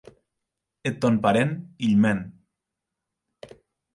Eth tòn parent, hilh mèn.